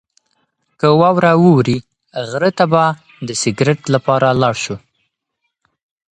که واوره ووري، غره ته به د سکرت لپاره لاړ شو.